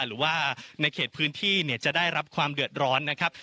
หรือว่าในเขตพื้นที่จะได้รับความเดือดร้อนนะครับ